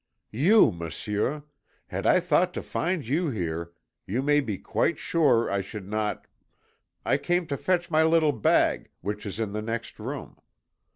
"You, Monsieur! Had I thought to find you here, you may be quite sure I should not ... I came to fetch my little bag, which is in the next room.